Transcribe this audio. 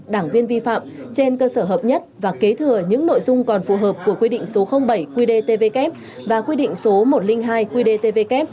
đảng viên vi phạm trên cơ sở hợp nhất và kế thừa những nội dung còn phù hợp của quy định số bảy qdtvk và quy định số một trăm linh hai qdtvk